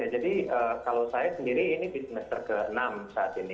jadi kalau saya sendiri ini di semester ke enam saat ini